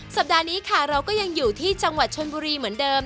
สัปดาห์นี้ค่ะเราก็ยังอยู่ที่จังหวัดชนบุรีเหมือนเดิม